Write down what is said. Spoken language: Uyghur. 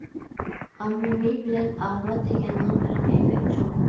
ئاممىۋى بىلەن ئاغۋات دېگەننىڭ پەرقى بەك چوڭ.